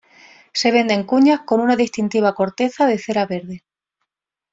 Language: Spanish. Se vende en cuñas con una distintiva corteza de cera verde.